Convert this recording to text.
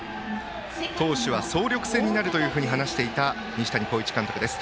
投手は総力戦になると話していた西谷浩一監督です。